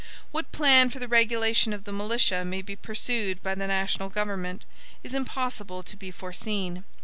What plan for the regulation of the militia may be pursued by the national government, is impossible to be foreseen.